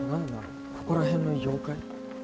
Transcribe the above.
ここら辺の妖怪？